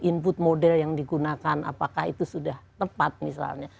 input model yang digunakan apakah itu sudah tepat misalnya